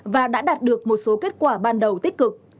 và đã đạt được một số kết quả ban đầu tích cực